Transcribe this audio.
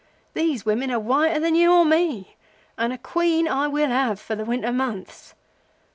'These women are whiter than you or me, and a Queen I will have for the winter months.